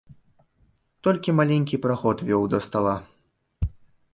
Толькі маленькі праход вёў да стала.